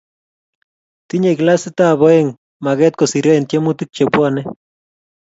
tinye klasit b oeng maket kosiryo en tiemutich che kwonee